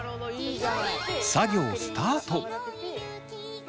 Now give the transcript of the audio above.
作業スタート。